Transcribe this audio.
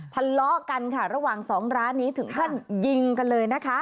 ทะเลาะกันค่ะระหว่างสองร้านนี้ถึงขั้นยิงกันเลยนะคะ